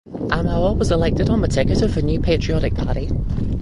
Amoah was elected on the ticket of the New Patriotic Party.